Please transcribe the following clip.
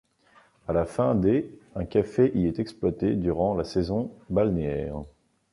À la fin des un café y est exploité durant la saison balnéaire.